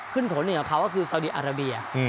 โขนหนึ่งกับเขาก็คือสาวดีอาราเบีย